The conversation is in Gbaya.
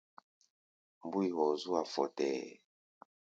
Mbúi hɔɔ zú-a fɔtɛɛ.